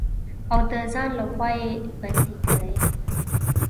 او د ځان لخوا يې بندې کړي.